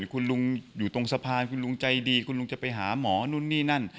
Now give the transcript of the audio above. คุณลุงอยู่ตรงสะพานคุณลุงใจดีคุณลุงจะไปหาหมอนู่นนี่นั่น